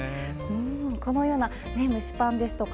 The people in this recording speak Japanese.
このような蒸しパンですとか